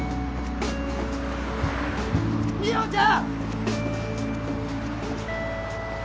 美穂ちゃん！